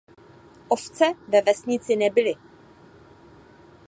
Ovce ve vesnici nebyly.